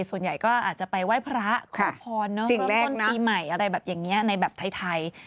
ส่วนใหญ่ก็อาจจะไปไหว้พระขอพรเริ่มต้นปีใหม่อะไรแบบอย่างนี้ในแบบไทย